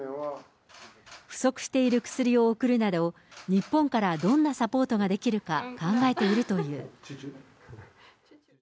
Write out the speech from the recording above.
不足している薬を送るなど、日本からどんなサポートができるか考えているという。